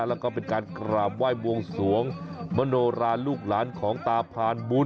แล้วก็เป็นการกราบไหว้บวงสวงมโนราลูกหลานของตาพานบุญ